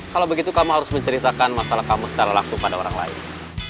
kalau begitu kamu harus menceritakan masalah kamu secara langsung pada orang lain